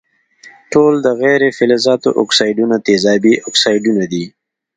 ټول د غیر فلزونو اکسایدونه تیزابي اکسایدونه دي.